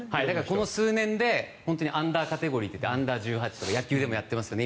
この数年でアンダーカテゴリーと言ってＵ−１８とか野球でもやってますよね